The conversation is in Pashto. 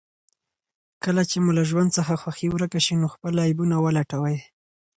کله چې مو له ژوند څخه خوښي ورکه شي، نو خپل عيبونه ولټوئ.